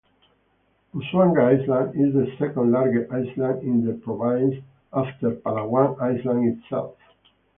Busuanga Island is the second largest island in the province after Palawan island itself.